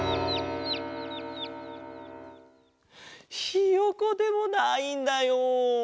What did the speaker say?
ひよこでもないんだよ。